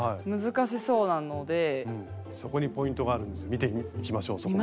見ていきましょうそこも。